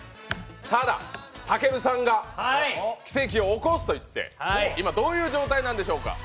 ただ、たけるさんが、奇跡を起こすといって、今、どういう状態なんでしょうか。